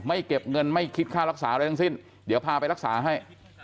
เก็บเงินไม่คิดค่ารักษาอะไรทั้งสิ้นเดี๋ยวพาไปรักษาให้